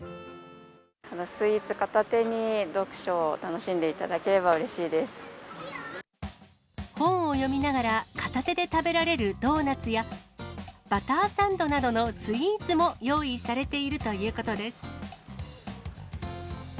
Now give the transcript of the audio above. スイーツ片手に読書を楽しん本を読みながら、片手で食べられるドーナツや、バターサンドなどのスイーツも用意されているということです。